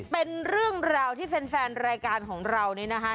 เป็นเรื่องราวที่แฟนรายการของเรานี่นะคะ